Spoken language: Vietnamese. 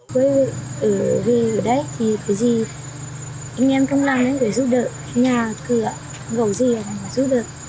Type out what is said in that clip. với việc ở đây thì cái gì anh em không làm nên phải giúp đỡ nhà cửa gầu gì là phải giúp đỡ